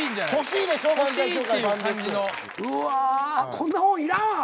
こんな本いらんわアホ！